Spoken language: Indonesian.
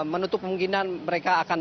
menutup kemungkinan mereka akan